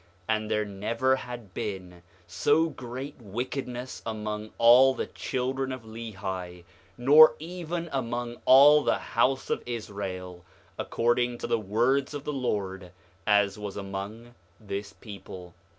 4:12 And there never had been so great wickedness among all the children of Lehi, nor even among all the house of Israel, according to the words of the Lord, as was among this people.